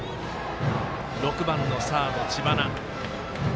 ６番のサード、知花。